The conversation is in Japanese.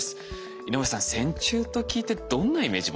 井上さん「線虫」と聞いてどんなイメージを持ちますか？